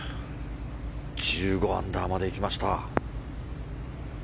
１５アンダーまで行きました。